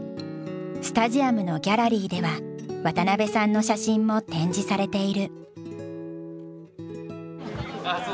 スタジアムのギャラリーでは渡邉さんの写真も展示されている。